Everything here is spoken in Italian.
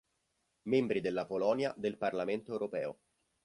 Membri della Polonia del Parlamento europeo